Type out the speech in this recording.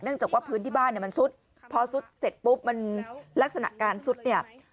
จากว่าพื้นที่บ้านเนี่ยมันซุดพอซุดเสร็จปุ๊บมันลักษณะการซุดเนี่ย